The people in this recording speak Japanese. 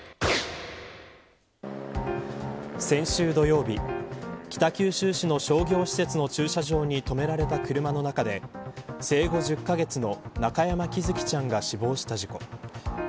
先週土曜日北九州市の商業施設の駐車場に止められた車の中で生後１０カ月の中山喜寿生ちゃんが死亡した事故。